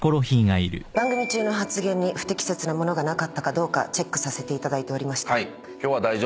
番組中の発言に不適切なものがなかったかチェックさせていただいておりました。